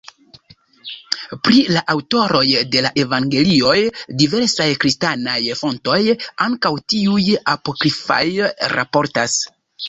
Pri la aŭtoroj de la evangelioj diversaj kristanaj fontoj, ankaŭ tiuj apokrifaj raportas.